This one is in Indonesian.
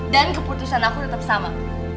dan keputusan aku tetep sama